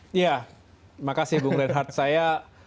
terima kasih bung renhardt saya